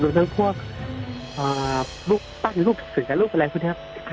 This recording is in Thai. หรือทั้งพวกรูปปั้นรูปเสือรูปอะไรครับ